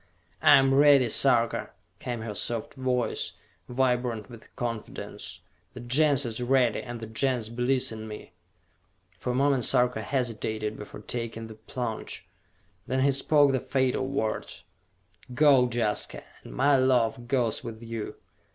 "I am ready, Sarka!" came her soft voice, vibrant with confidence. "The Gens is ready, and the Gens believes in me!" For a moment Sarka hesitated before taking the plunge. Then he spoke the fatal words. "Go, Jaska, and my love goes with you!"